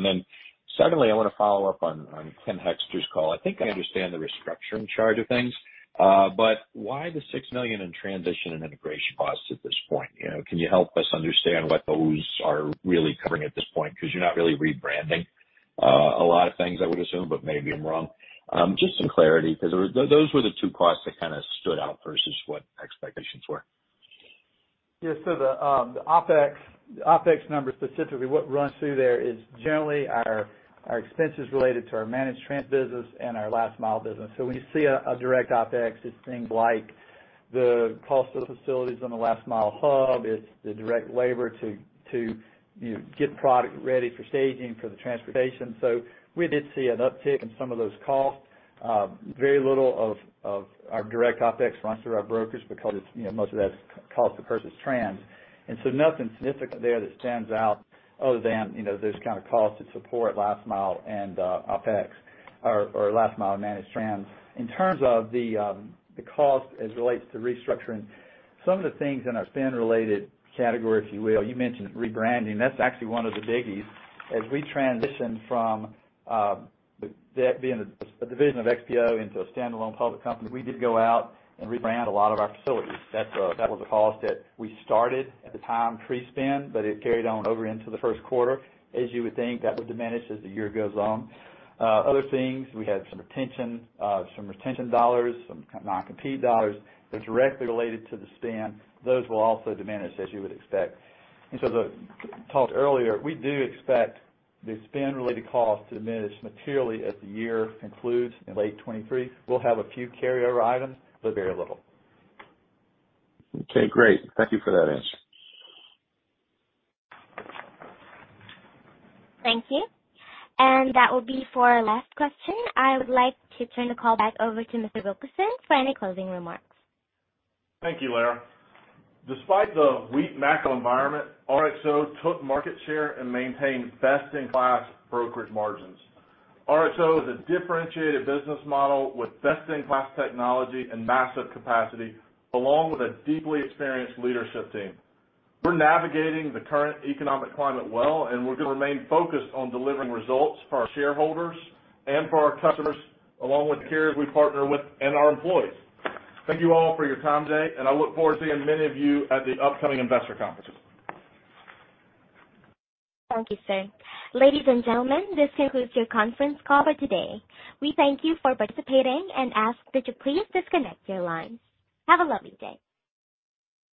Secondly, I want to follow up on Tim Hoexter's call. I think I understand the restructuring charge of things, but why the $6 million in transition and integration costs at this point? You know, can you help us understand what those are really covering at this point? You're not really rebranding, a lot of things, I would assume, but maybe I'm wrong. Just some clarity 'cause those were the two costs that kinda stood out versus what expectations were. Yeah. The OpEx number specifically, what runs through there is generally our expenses related to our managed transport business and our last mile business. When you see a direct OpEx, it's things like the cost of the facilities on the last mile hub. It's the direct labor to, you know, get product ready for staging for the transportation. We did see an uptick in some of those costs. Very little of our direct OpEx runs through our brokers because it's, you know, most of that's cost versus trans. Nothing significant there that stands out other than, you know, those kind of costs that support last mile and OpEx or last mile managed trans. In terms of the cost as it relates to restructuring, some of the things in our spin-related category, if you will, you mentioned rebranding. That's actually one of the biggies. As we transition from that being a division of XPO into a standalone public company, we did go out and rebrand a lot of our facilities. That's that was a cost that we started at the time pre-spin, but it carried on over into the Q1. As you would think, that will diminish as the year goes on. Other things, we had some retention, some retention dollars, some kind of non-compete dollars that are directly related to the spin. Those will also diminish, as you would expect. Talked earlier, we do expect the spin-related costs to diminish materially as the year concludes in late 2023. We'll have a few carryover items, but very little. Okay, great. Thank you for that answer. Thank you. That will be for our last question. I would like to turn the call back over to Mr. Wilkerson for any closing remarks. Thank you, Lara. Despite the weak macro environment, RXO took market share and maintained best-in-class brokerage margins. RXO is a differentiated business model with best-in-class technology and massive capacity, along with a deeply experienced leadership team. We're navigating the current economic climate well, and we're gonna remain focused on delivering results for our shareholders and for our customers, along with the carriers we partner with and our employees. Thank you all for your time today, and I look forward to seeing many of you at the upcoming investor conference. Thank you, sir. Ladies and gentlemen, this concludes your conference call for today. We thank you for participating and ask that you please disconnect your lines. Have a lovely day.